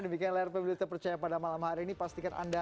demikian lrpu bintang percaya pada malam hari ini